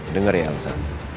dengar ya elsa